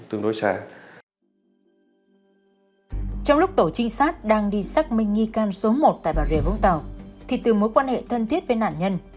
trong lúc tổ trinh sát đang đi xác minh nghi can số một tại bà rịa vũng tàu thì từ mối quan hệ thân thiết với nạn nhân